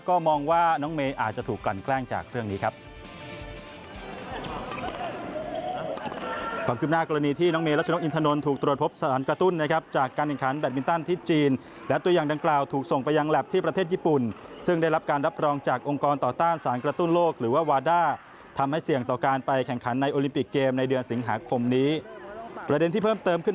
ก็มองว่าน้องเมย์อาจจะถูกกลั่นแกล้งจากเรื่องนี้ครับ